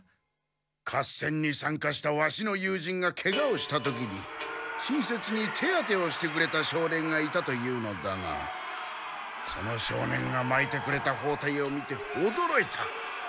合戦にさんかしたワシの友人がケガをした時に親切に手当てをしてくれた少年がいたというのだがその少年がまいてくれたほうたいを見ておどろいた。